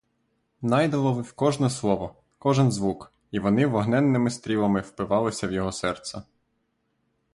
Найда ловив кожне слово, кожен звук, і вони вогненними стрілами впивалися в його серце.